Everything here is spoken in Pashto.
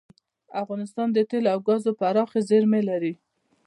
افغانستان د تیلو او ګازو پراخې زیرمې لري.